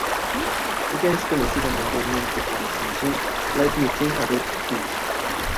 Ella es conocida mundialmente por la canción "Let Me Think About It".